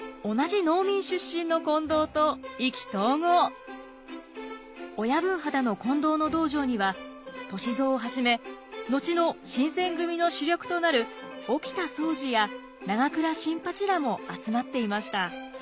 歳三は親分肌の近藤の道場には歳三をはじめ後の新選組の主力となる沖田総司や永倉新八らも集まっていました。